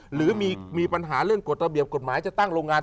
หรือมีปัญหาเรื่องกฎระเบียบกฎหมายจะตั้งโรงงาน